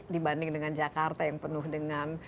dibanding dengan jakarta yang penuh dengan